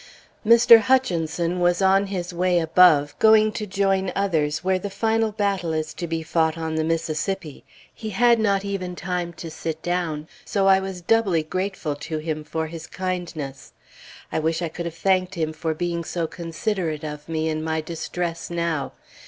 Mr. Hutchinson was on his way above, going to join others where the final battle is to be fought on the Mississippi. He had not even time to sit down; so I was doubly grateful to him for his kindness. I wish I could have thanked him for being so considerate of me in my distress now.